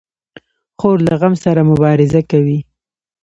خور له غم سره مبارزه کوي.